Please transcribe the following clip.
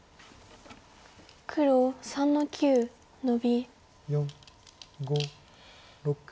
黒３の九ノビ。